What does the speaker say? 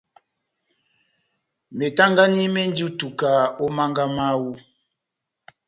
Metangani mendi ó ituka ó mánga mawú.